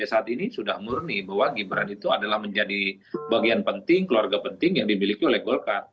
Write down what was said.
saat ini sudah murni bahwa gibran itu adalah menjadi bagian penting keluarga penting yang dimiliki oleh golkar